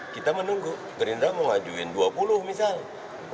kita menunggu gerindra mengajuin dua puluh misalnya